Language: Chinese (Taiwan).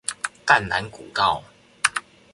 淡蘭古道